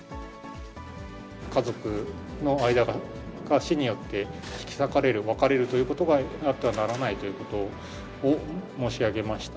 家族の間が死によって引き裂かれる、別れるということがあってはならないということを申し上げました。